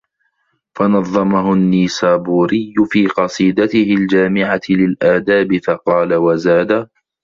فَنَظَمَهُ النَّيْسَابُورِيُّ فِي قَصِيدَتِهِ الْجَامِعَةِ لِلْآدَابِ فَقَالَ وَزَادَ